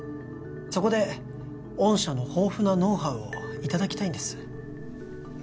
そこで御社の豊富なノウハウをいただきたいんです